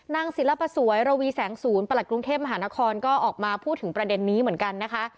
ศิลปสวยระวีแสงศูนย์ประหลัดกรุงเทพมหานครก็ออกมาพูดถึงประเด็นนี้เหมือนกันนะคะ